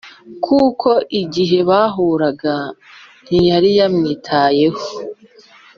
kuko igihe bahuraga ntiyari yamwitayeho